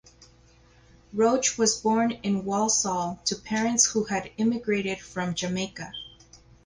Roach was born in Walsall to parents who had immigrated from Jamaica.